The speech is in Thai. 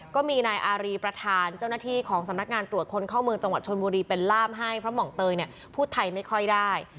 ก็มีนายอารีประธานเจ้าหน้าที่ของสำนักงานตรวจคนเข้าเมืองจังหวัดชนบุรีเป็นล่ามให้เพราะหม่องเตยเนี่ยพูดไทยไม่ค่อยได้